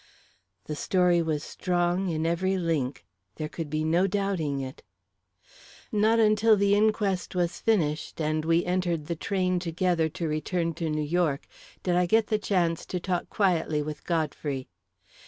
The story was strong in every link; there could be no doubting it. Not until the inquest was finished, and we entered the train together to return to New York, did I get the chance to talk quietly with Godfrey.